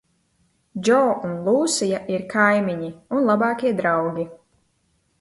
Džo un Lūsija ir kaimiņi un labākie draugi.